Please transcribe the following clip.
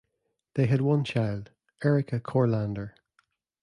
They had one child, Erika Courlander.